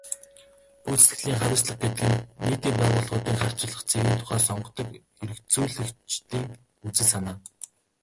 Гүйцэтгэлийн хариуцлага гэдэг нь нийтийн байгууллагуудын харьцуулах цэгийн тухай сонгодог эргэцүүлэгчдийн үзэл санаа.